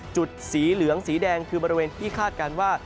สีเหลืองสีแดงคือบริเวณที่คาดการณ์ว่า